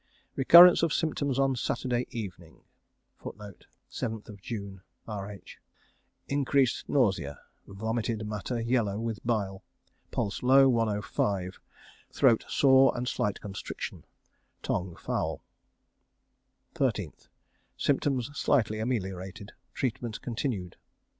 Recurrence of symptoms on Saturday evening. Increased nausea, vomited matter yellow with bile. Pulse low, 105. Throat sore, and slight constriction. Tongue foul. 13th. Symptoms slightly ameliorated. Treatment continued.